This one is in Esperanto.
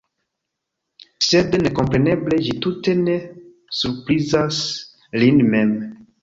Sed, nekompreneble, ĝi tute ne surprizas lin mem.